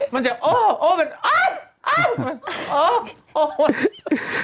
มันจะโอ๊ะโอ๊ะแบบโอ๊ะโอ๊ะโอ๊ะ